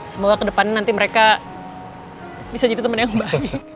semoga kedepannya nanti mereka bisa jadi teman yang baik